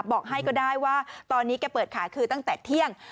บอกให้ก็ได้ว่าตอนนี้แกเปิดขายคือตั้งแต่เที่ยง